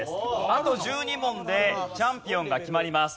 あと１２問でチャンピオンが決まります。